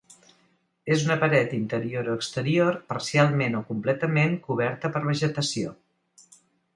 És una paret interior o exterior parcialment o completament coberta per vegetació.